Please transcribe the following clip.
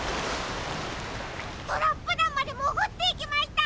トラップだんまでもぐっていきました！